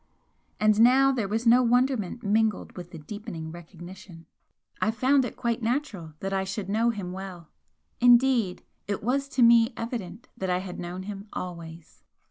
And now there was no wonderment mingled with the deepening recognition, I found it quite natural that I should know him well, indeed, it was to me evident that I had known him always.